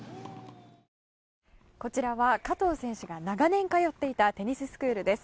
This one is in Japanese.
こちらは加藤選手が長年、通っていたテニススクールです。